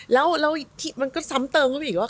แล้วมันก็ซ้ำเติมเข้าไปอีกว่า